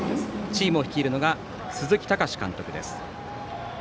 チームを率いるのが鈴木崇監督です。